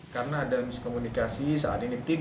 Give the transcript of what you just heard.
karena ada miskomunikasi saat ini tips